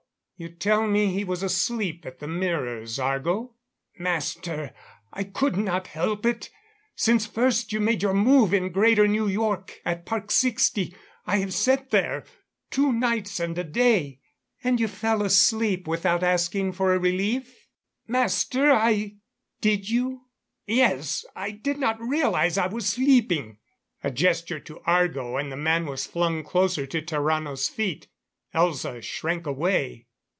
You tell me he was asleep at the mirrors, Argo?" "Master, I could not help it! Since first you made your move in Greater New York at Park Sixty, I have sat there. Two nights and a day " "And you fell asleep without asking for a relief?" "Master, I " "Did you?" "Yes. I did not realize I was sleeping " A gesture to Argo, and the man was flung closer to Tarrano's feet. Elza shrank away.